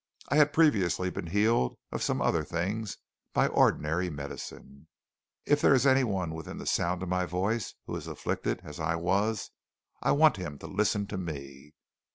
I had previously been healed of some other things by ordinary medicine. "If there is anyone within the sound of my voice who is afflicted as I was, I want him to listen to me.